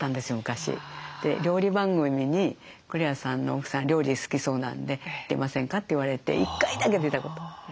で料理番組に「栗原さんの奥さん料理好きそうなんで出ませんか？」って言われて１回だけ出たことある。